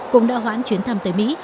cũng đã hoãn chuyến thăm tới mỹ